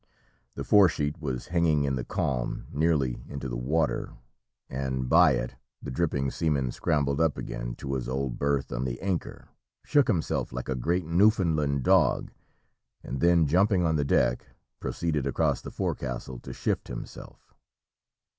The fore sheet was hanging in the calm, nearly into the water, and by it the dripping seaman scrambled up again to his old birth on the anchor, shook himself like a great Newfoundland dog, and then jumping on the deck, proceeded across the forecastle to shift himself.